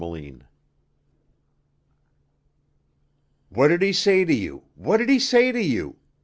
CHAPTER X "What did he say to you? What did he say to you?"